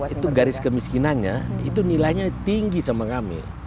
itu garis kemiskinannya itu nilainya tinggi sama kami